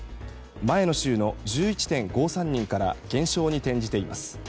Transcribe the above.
前の週の１１．５３人から減少に転じています。